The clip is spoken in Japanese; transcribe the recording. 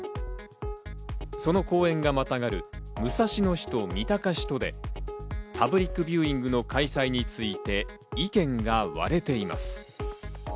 その公園がまたがる武蔵野市と三鷹市とでパブリックビューイングの開催について意見が割れています。